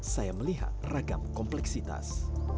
saya melihat ragam kompleksitas